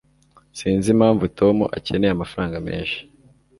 sinzi impamvu tom akeneye amafaranga menshi